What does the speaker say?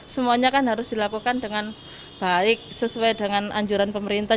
semuanya kan harus dilakukan dengan baik sesuai dengan anjuran pemerintah